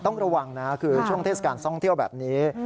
ต้องระวังนะคือช่วงเทศกาลท่องเที่ยวแบบนี้